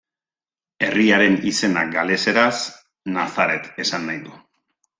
Herriaren izenak galeseraz Nazaret esan nahi du.